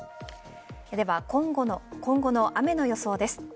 では今後の雨の予想です。